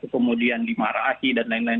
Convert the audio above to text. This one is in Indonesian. kemudian dimarahi dan lain lain